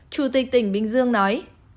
chủ tịch tỉnh bình dương nói